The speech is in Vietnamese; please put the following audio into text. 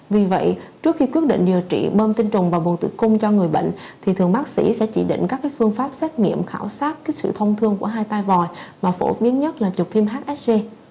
vì vậy trước khi quyết định điều trị bơm tinh trùng và buồn tự cung cho người bệnh thì thường bác sĩ sẽ chỉ định các phương pháp xét nghiệm khảo sát sự thông thương của hai tay vòi và phổ biến nhất là chụp phim hsg